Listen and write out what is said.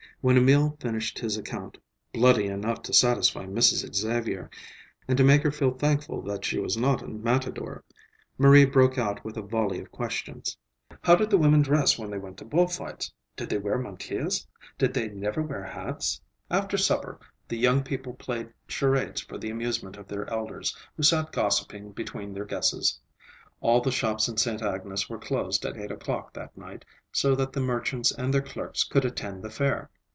When Emil finished his account,—bloody enough to satisfy Mrs. Xavier and to make her feel thankful that she was not a matador,—Marie broke out with a volley of questions. How did the women dress when they went to bull fights? Did they wear mantillas? Did they never wear hats? After supper the young people played charades for the amusement of their elders, who sat gossiping between their guesses. All the shops in Sainte Agnes were closed at eight o'clock that night, so that the merchants and their clerks could attend the fair.